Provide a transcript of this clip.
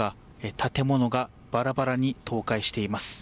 建物がバラバラに倒壊しています。